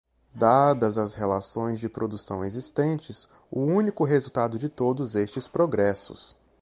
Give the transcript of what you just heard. dadas as relações de produção existentes, o único resultado de todos estes progressos